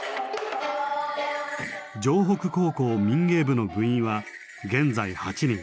城北高校民芸部の部員は現在８人。